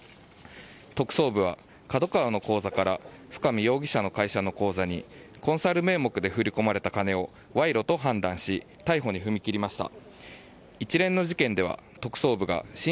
特捜部はＫＡＤＯＫＡＷＡの口座から深見容疑者の会社の口座にコンサル名目で振り込まれた金を賄賂と判断し逮捕に踏み切りました。